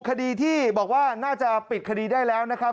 คดีที่บอกว่าน่าจะปิดคดีได้แล้วนะครับ